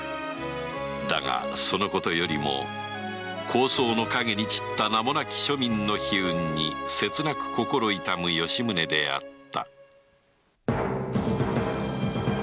だがそのことよりも抗争の陰に散った名もなき庶民の悲運に切なく心痛む吉宗であった